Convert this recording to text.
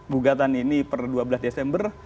gugatan ini per dua belas desember